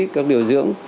các điều dưỡng